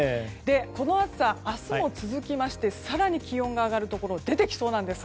この暑さ明日も続きまして更に気温が上がるところが出てきそうなんです。